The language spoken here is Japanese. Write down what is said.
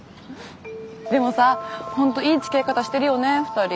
でもさほんといいつきあい方してるよね２人。